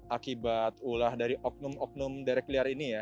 akibat ulah dari oknum oknum derek liar ini ya